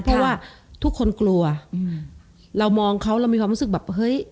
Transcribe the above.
เพราะว่าทุกคนกลัวอืมเรามองเขาเรามีความรู้สึกแบบเฮ้ย